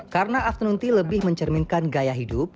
karena afternoon tea lebih mencerminkan gaya hidup